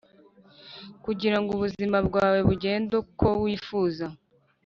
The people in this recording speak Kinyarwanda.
kugirango ubuzima bwawe bugende uko wifuza?"